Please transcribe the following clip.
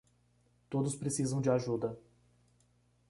Todos precisam de ajuda